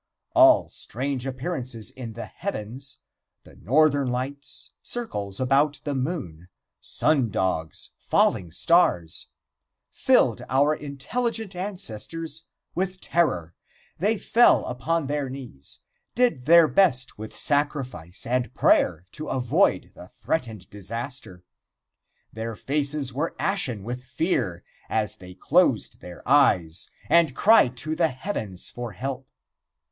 All strange appearances in the heavens the Northern Lights, circles about the moon, sun dogs, falling stars filled our intelligent ancestors with terror. They fell upon their knees did their best with sacrifice and prayer to avoid the threatened disaster. Their faces were ashen with fear as they closed their eyes and cried to the heavens for help.